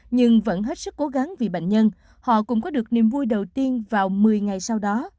nhưng vẫn hết sức cố gắng vì bệnh nhân họ cũng có được niềm vui đầu tiên vào một mươi ngày sau đó